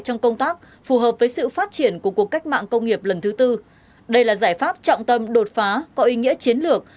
trong công tác phù hợp với sự phát triển của cuộc cách mạng công nghiệp lần thứ tư đây là giải pháp trọng tâm đột phá có ý nghĩa chiến lược